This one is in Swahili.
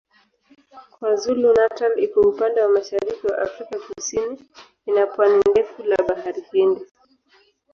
KwaZulu-Natal iko upande wa mashariki wa Afrika Kusini ina pwani ndefu la Bahari Hindi.